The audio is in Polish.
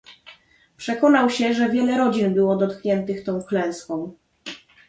"Przekonał się, że wiele rodzin było dotkniętych tą klęską."